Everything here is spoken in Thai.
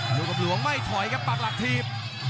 ลูกอำรวงไม่ถอยครับปับหลักทีบ